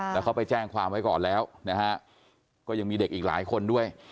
แล้วเขาไปแจ้งความไว้ก่อนแล้วนะฮะก็ยังมีเด็กอีกหลายคนด้วย